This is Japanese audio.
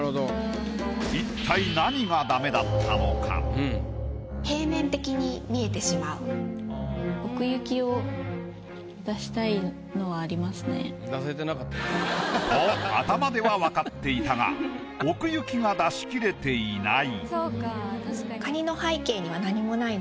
一体何がダメだったのか？と頭では分かっていたが奥行きが出しきれていない。